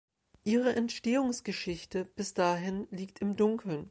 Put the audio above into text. Ihre Entstehungsgeschichte bis dahin liegt im Dunkeln.